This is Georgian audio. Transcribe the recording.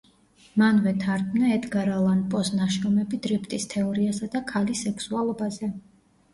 მანვე თარგმნა ედგარ ალან პოს ნაშრომები დრიფტის თეორიასა და ქალის სექსუალობაზე.